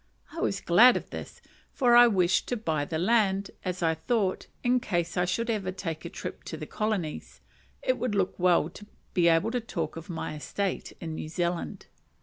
I was glad of this, for I wished to buy the land, as I thought, in case I should ever take a trip to the "colonies," it would look well to be able to talk of "my estate in New Zealand."